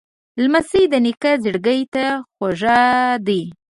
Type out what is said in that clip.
لمسی د نیکه زړګي ته خوږ دی.